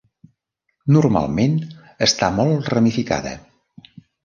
Normalment està molt ramificada.